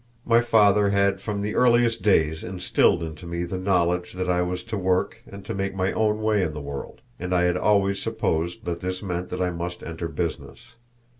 My father had from the earliest days instilled into me the knowledge that I was to work and to make my own way in the world, and I had always supposed that this meant that I must enter business.